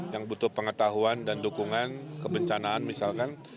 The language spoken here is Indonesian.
yang butuh pengetahuan dan dukungan kebencanaan misalkan